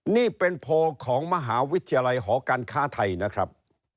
นี่เป็นโพลของมหาวิทยาลัยหอการค้าไทยนะครับ